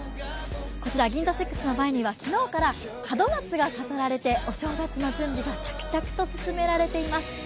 こちらＧＩＮＺＡＳＩＸの前には昨日から門松が飾られてお正月の準備が着々と進められています。